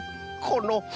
この。